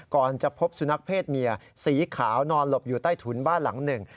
ก่อนจะพบสุนัขเพศเมียสีขาวนอนหลบอยู่ใต้ถุนบ้านหลังหนึ่ง